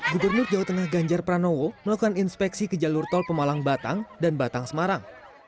gubernur jawa tengah ganjar pranowo melakukan inspeksi ke jalur tol pemalang batang dan batang semarang